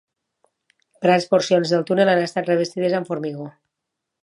Grans porcions del túnel han estat revestides amb formigó.